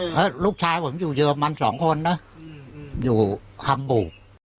เพราะลูกชายผมอยู่เยอะมันสองคนนะอยู่ฮัมบุก